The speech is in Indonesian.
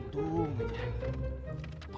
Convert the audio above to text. ini udah berapa